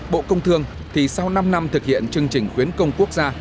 bộ công thương thì sau năm năm thực hiện chương trình khuyến công quốc gia